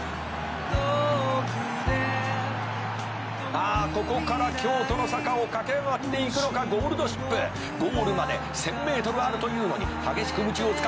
「ああここから京都の坂を駆け上がっていくのかゴールドシップ」「ゴールまで１，０００ｍあるというのに激しくむちを使った。